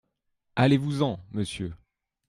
Allez-vous en, monsieur !…